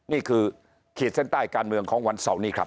นี่คือขีดเส้นใต้การเมืองของวันเสาร์นี้ครับ